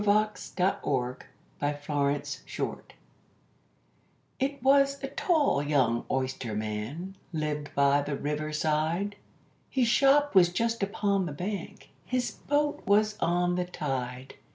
_ THE BALLAD OF THE OYSTERMAN It was a tall young oysterman lived by the river side; His shop was just upon the bank, his boat was on the tide.